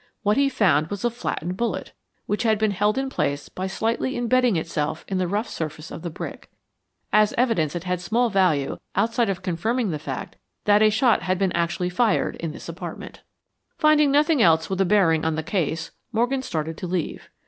What he found was a flattened bullet, which had been held in place by slightly embedding itself in the rough surface of the brick. As evidence it had small value outside of confirming the fact that a shot had been actually fired in this apartment. Finding nothing else with a bearing on the case, Morgan started to leave.